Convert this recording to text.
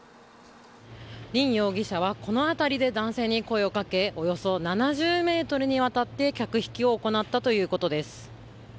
リン容疑者はこの辺りで男性に声をかけおよそ７０ｍにわたって客引きを行ったということです。